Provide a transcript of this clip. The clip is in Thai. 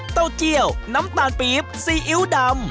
เต้าเจียวน้ำตาลปีบซีอิ๊วดำ